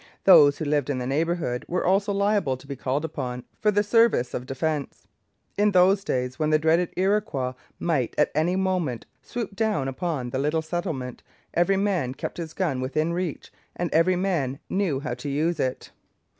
Those who lived in the neighbourhood were also liable to be called upon for the service of defence. In those days, when the dreaded Iroquois might at any moment swoop down upon the little settlement, every man kept his gun within reach, and every man knew how to use it.